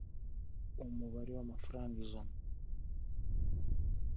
mubare w amafaranga ijana